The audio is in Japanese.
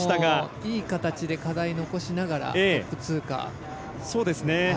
いい形で課題残しながらトップ通過。